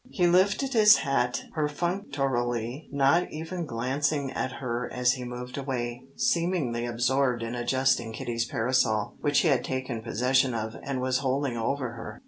He lifted his hat perfunctorily, not even glancing at her as he moved away, seemingly absorbed in adjusting Kitty's parasol, which he had taken possession of, and was holding over her.